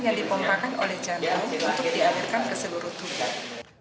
yang dipompakan oleh jantung untuk diadakan ke seluruh tubuh